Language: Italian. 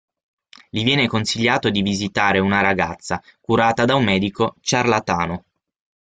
Gli viene consigliato di visitare una ragazza, curata da un medico ciarlatano.